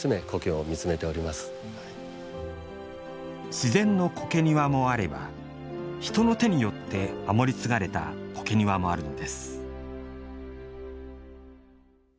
自然の苔庭もあれば人の手によって守り継がれた苔庭もあるんです。